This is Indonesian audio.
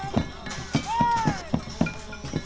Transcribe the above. ketika kami datang ke sini